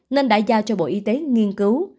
nên đã giao cho bộ y tế nghiên cứu